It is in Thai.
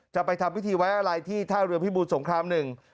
จะไปทำพิธีไว้อะไรที่ท่าเรือพิบูรสงครามหนึ่ง